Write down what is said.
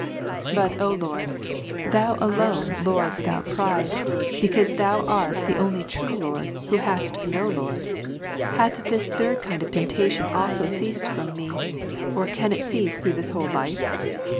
But, O Lord, Thou alone Lord without pride, because —'^^ Thou art the only true Lord, who hast no lord ; hath this third kind of temptation also ceased from me, or can it cease through this whole life